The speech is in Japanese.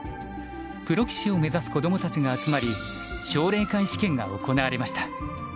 プロ棋士を目指す子供たちが集まり奨励会試験が行われました。